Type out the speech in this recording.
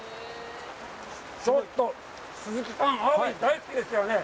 ちょっと鈴木さん、アワビ大好きでしたよね。